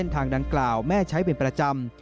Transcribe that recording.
ทางดังกล่าวแม่ใช้เป็นประจำ